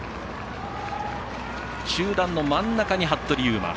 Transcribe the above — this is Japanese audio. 集団の真ん中に服部勇馬。